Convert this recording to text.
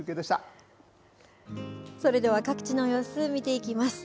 それでは各地の様子、見ていきます。